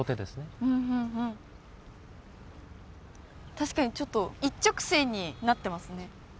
確かにちょっと一直線になってますね